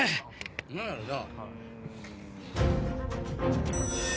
何やろな？